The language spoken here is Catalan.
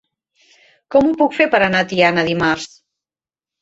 Com ho puc fer per anar a Tiana dimarts?